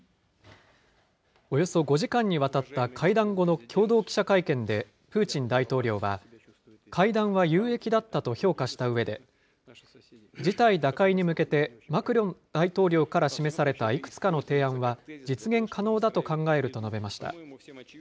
およそ５時間にわたった会談後の共同記者会見で、プーチン大統領は、会談は有益だったと評価したうえで、事態打開に向けて、マクロン大統領から示されたいくつかの提案は、実現可能だと考えると述べました。